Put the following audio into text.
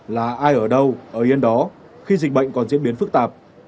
là ai ở đâu ở yên đó khi dịch bệnh còn diễn biến phức tạp